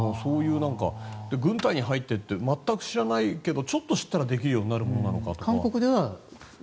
軍隊に入って全く知らないけどちょっと知ったらできるようになるものなのか。